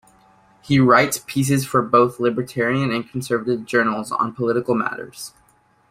He writes pieces for both libertarian and conservative journals on political matters.